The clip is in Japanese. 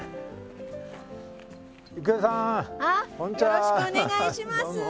よろしくお願いします。